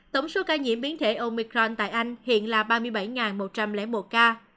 tổng số ca nhiễm biến thể omicron tại anh hiện là ba mươi bảy một trăm linh một ca